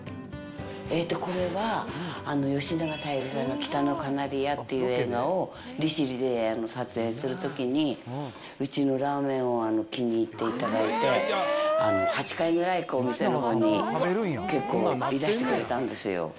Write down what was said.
えっと、これは吉永小百合さんが北のカナリアっていう映画を利尻で撮影するときに、うちのラーメンを気に入っていただいて、８回ぐらい店のほうに結構、いらしてくれたんですよ。